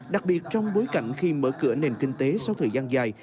đặc biệt trong bối cảnh khi mở cửa nền kinh tế sau thời gian dài